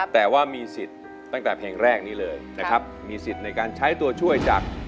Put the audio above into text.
แต่ว่ามีสิทธิ์ตั้งแต่เพลงแรกนี้เลยนะครับมีสิทธิ์ในการใช้ตัวช่วยจาก